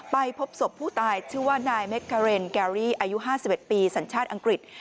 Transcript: พบศพผู้ตายชื่อว่านายเมคาเรนแกรี่อายุ๕๑ปีสัญชาติอังกฤษ